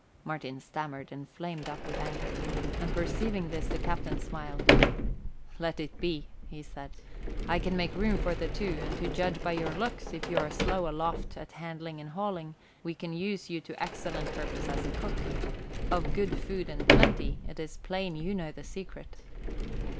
Martin stammered and flamed up with anger, and perceiving this, the captain smiled. "Let it be," he said. "I can make room for the two, and to judge by your looks, if you are slow aloft at handling and hauling, we can use you to excellent purpose as a cook. Of good food and plenty it is plain you know the secret."